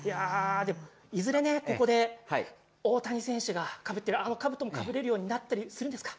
いずれ、ここで大谷選手がかぶっているあのかぶともかぶれるようになったりするんですか。